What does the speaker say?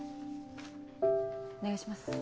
お願いします。